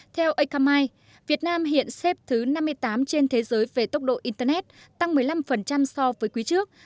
theo acami việt nam hiện xếp thứ năm mươi tám trên thế giới về tốc độ internet tăng một mươi năm so với quý trước